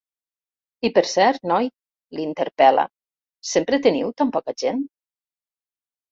I per cert, noi —l'interpel·la—, sempre teniu tan poca gent?